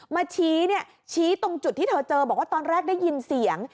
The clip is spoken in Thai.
มาชี้เนี่ยชี้ตรงจุดที่เธอเจอบอกว่าตอนแรกได้ยินเสียง